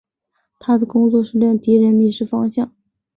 他的工作是令敌人迷失方向。